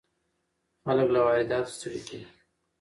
خلک له وارداتو ستړي دي.